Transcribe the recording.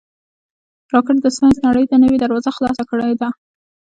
راکټ د ساینس نړۍ ته نوې دروازه خلاصه کړې